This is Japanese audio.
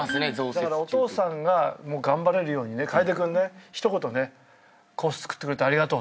だからお父さんが頑張れるように楓君ね一言ね「コース造ってくれてありがとう」